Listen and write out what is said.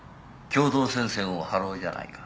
共同戦線を張ろうじゃないか。